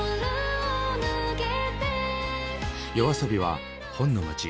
ＹＯＡＳＯＢＩは本の街